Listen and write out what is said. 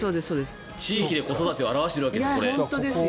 地域で子育てを表しているんですよ。